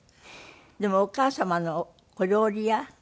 でもお母様の小料理屋？